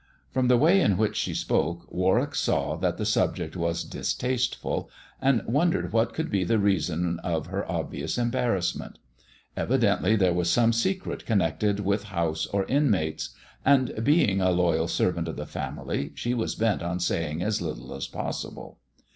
From the way in which she spoke Warwick saw that the subject was distasteful, and wondered what could be the reason of her obvious embarrassment. Evidently there was some secret connected with house or inmates ; and being a loyal servant of the family, she was bent on saying as little as possible.